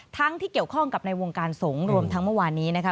ที่เกี่ยวข้องกับในวงการสงฆ์รวมทั้งเมื่อวานนี้นะคะ